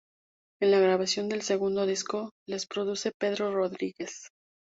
En la grabación del segundo disco les produce Pedro Rodríguez.